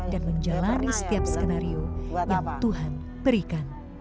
dan menjalani setiap skenario yang tuhan berikan